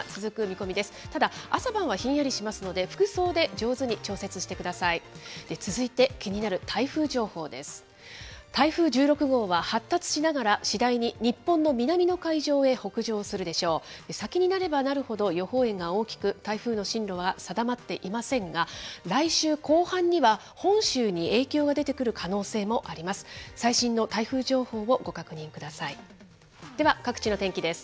先になればなるほど予報円が大きく、台風の進路は定まっていませんが、来週後半には、本州に影響が出てくる可能性もあります。